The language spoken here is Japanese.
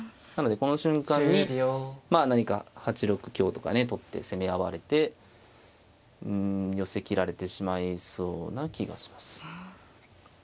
なのでこの瞬間にまあ何か８六香とかね取って攻め合われてうん寄せ切られてしまいそうな気がします。